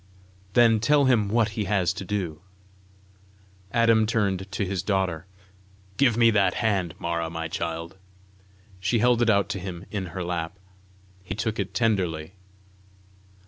"Then tell him what he has to do." Adam turned to his daughter. "Give me that hand, Mara, my child." She held it out to him in her lap. He took it tenderly.